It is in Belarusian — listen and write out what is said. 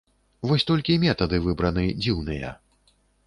Вось толькі метады выбраны дзіўныя.